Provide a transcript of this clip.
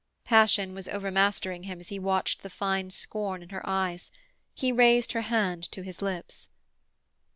Passion was overmastering him as he watched the fine scorn in her eyes. He raised her hand to his lips.